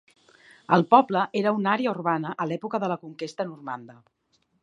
El poble era una àrea urbana a l'època de la Conquesta Normanda.